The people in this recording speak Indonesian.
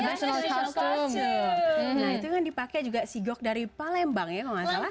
nah itu yang dipakai juga si gok dari palembang ya kalau nggak salah